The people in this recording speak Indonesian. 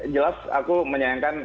jelas aku menyayangkan